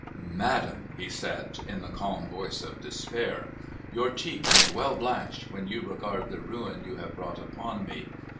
"Madam," he said, in the calm voice of despair, "your cheek may well blanch, when you regard the ruin you have brought upon me.